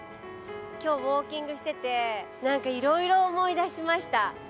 今日ウオーキングしてて何か色々思い出しました。